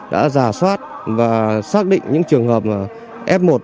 đã giả soát và xác định những trường hợp f một